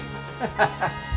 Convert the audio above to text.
ハハハ。